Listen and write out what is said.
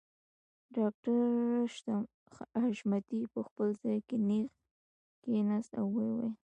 ډاکټر حشمتي په خپل ځای کې نېغ کښېناسته او ويې ويل